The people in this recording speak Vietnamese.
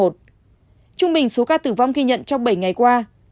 trung bình số ca tử vong ghi nhận trong bảy ngày qua